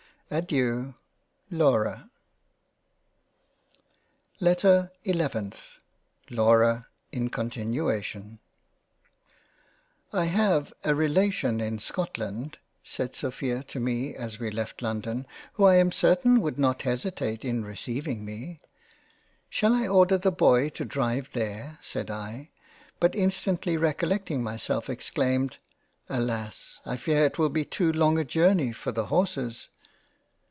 Adeiu. Laura. 20 £ LOVE AND FREINDSHIP £ LETTER nth LAURA in continuation " Y HAVE a Relation in Scotland (said Sophia to mc as we I left London) who I am certain would not hesitate in receiving me." " Shall I order the Boy to drive there ?" said I — but instantly recollecting myself, exclaimed, 14 Alas I fear it will be too long a Journey for the Horses."